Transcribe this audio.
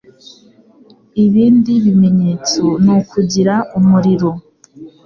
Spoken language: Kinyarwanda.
Ibindi bimenyetso ni ukugira umuriro